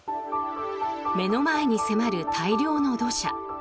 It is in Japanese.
目の前に迫る大量の土砂。